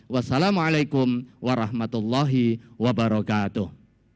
wassalamu'alaikum warahmatullahi wabarakatuh